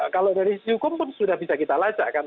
kalau dari sisi hukum pun sudah bisa kita lacak kan